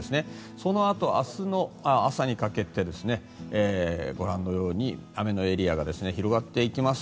そのあと明日の朝にかけてご覧のように雨のエリアが広がっていきます。